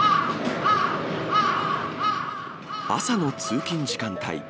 朝の通勤時間帯。